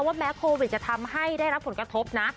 แม้โควิดจะทำให้ได้รับผลกระทบนะ